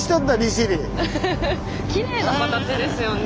きれいな形ですよね。